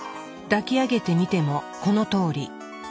抱き上げてみてもこのとおり。